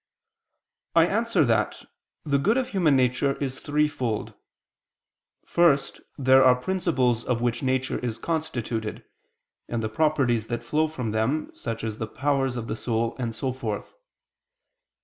I answer that, The good of human nature is threefold. First, there are the principles of which nature is constituted, and the properties that flow from them, such as the powers of the soul, and so forth.